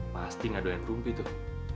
pasti nggak doyan rumpi tuh